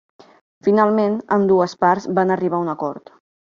Finalment, ambdues parts van arribar a un acord.